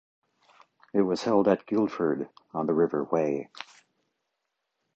It was held at Guildford on the River Wey.